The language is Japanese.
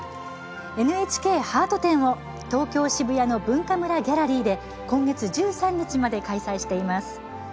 「ＮＨＫハート展」を東京・渋谷のＢｕｎｋａｍｕｒａギャラリーで今月１３日まで開催しています。